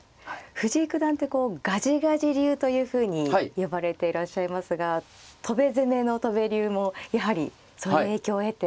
藤井九段ってガジガジ流というふうに呼ばれていらっしゃいますが戸辺攻めの戸辺流もやはりそういう影響を得て。